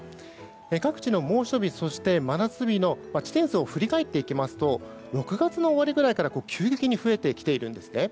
各地の猛暑日、そして真夏日の地点数を振り返っていきますと６月の終わりくらいから急激に増えてきているんですね。